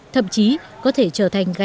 thậm chí có thể trở thành gánh